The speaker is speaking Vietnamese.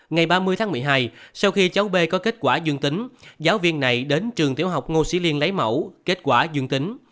ngày ba mươi tháng một mươi hai sau khi cháu b có kết quả dương tính giáo viên này đến trường tiểu học ngô sĩ liên lấy mẫu kết quả dương tính